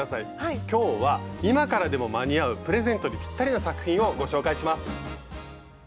今日は今からでも間に合うプレゼントにぴったりな作品をご紹介します。